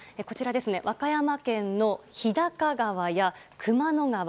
和歌山県の日高川や熊野川